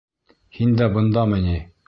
Һин дә бындамы ни?